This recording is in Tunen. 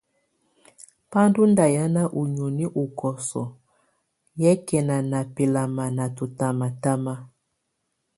Bá ndɔ̀ ndà hìána ú nìóni ú kɔsɔɔ̀ yɛkɛŋa ná bɛlama ná tɔtamatama.